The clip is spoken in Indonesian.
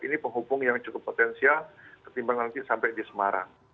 ini penghubung yang cukup potensial ketimbang nanti sampai di semarang